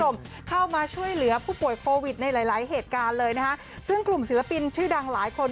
ไว้มันเดี๋ยวแค่เราไม่จังกัน